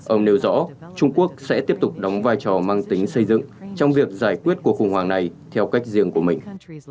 ông nêu rõ trung quốc sẽ tiếp tục đóng vai trò mang tính xây dựng trong việc giải quyết cuộc khủng hoảng này theo cách riêng của mình